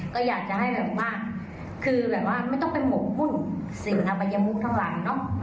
ก็อยากจะให้แบบว่าคือแบบว่าไม่ต้องไปหมกหุ้นสื่ออบัยมุกทั้งหลังเนอะ